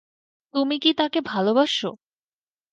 তুমি কি তাকে ভালোবাসো?